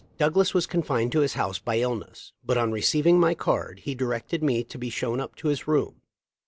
Douglas was confined to his house by illness, but on receiv ing my card he directed me to be shown up to his room.